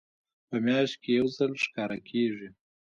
په میاشت کې یو ځل ښکاره کیږي.